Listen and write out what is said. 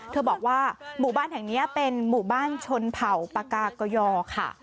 บอกว่าหมู่บ้านแห่งนี้เป็นหมู่บ้านชนเผ่าปากากยอค่ะ